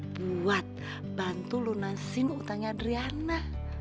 buat bantu lunasin utangnya driana